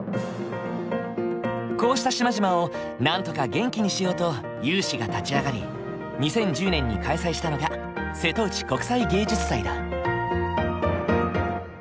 こうした島々をなんとか元気にしようと有志が立ち上がり２０１０年に開催したのが瀬戸内国際芸術祭だ。